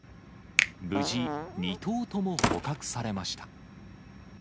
無事、２頭とも捕獲されました。